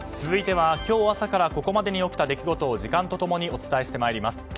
続いては今日朝からここまでに起きた出来事を時間と共にお伝えしてまいります。